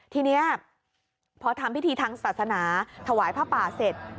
ทีนี้พอทำพิธีทางศาสนาถวายผ้าป่าเสร็จ